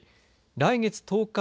来月１０日